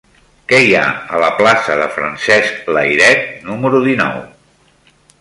Què hi ha a la plaça de Francesc Layret número dinou?